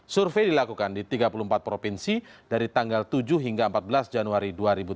survei dilakukan di tiga puluh empat provinsi dari tanggal tujuh hingga empat belas januari dua ribu tujuh belas